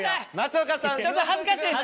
ちょっと恥ずかしいです。